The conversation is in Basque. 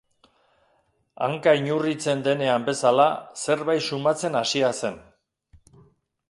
Hanka inurritzen denean bezala, zerbait sumatzen hasia zen.